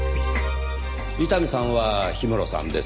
伊丹さんは氷室さんです。